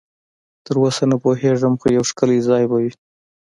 تراوسه نه پوهېږم، خو یو ښکلی ځای به وي.